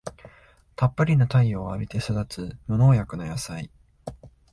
たっぷりの太陽を浴びて育つ無農薬の野菜